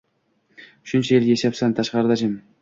Shuncha yil yashabsan tashqarida jim.